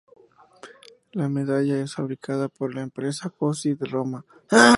La medalla es fabricada por la empresa Pozzi de Roma.